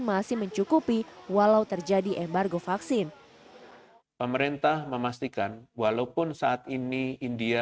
masih mencukupi walau terjadi embargo vaksin pemerintah memastikan walaupun saat ini india